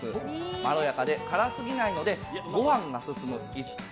まろやかで辛すぎないのでご飯が進む一品。